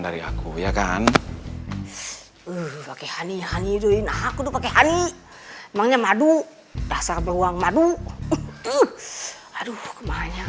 dari aku ya kan pake honey aku pake honey emangnya madu dasar doang madu aduh kemarahnya